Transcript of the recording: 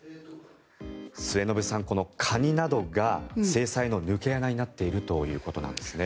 末延さん、このカニなどが制裁の抜け穴になっているということですね。